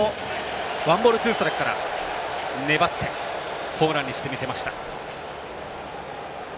ワンボール、ツーストライクから粘ってホームランにしてみせました。